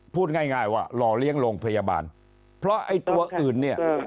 พูดง่ายว่าหล่อเลี้ยงโรงพยาบาลเพราะไอ้ตัวอื่นเนี่ย